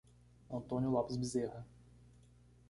Antônio Lopes Bezerra